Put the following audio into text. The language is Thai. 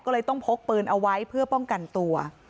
ก็เลยต้องพกปืนเอาไว้เพื่อป้องกันตัว